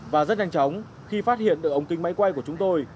và rất nhanh chóng khi phát hiện được ống kính máy quay của chúng tôi